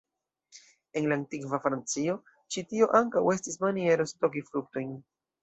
En antikva Francio, ĉi tio ankaŭ estis maniero stoki fruktojn.